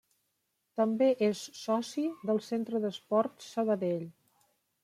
També és soci del Centre d'Esports Sabadell.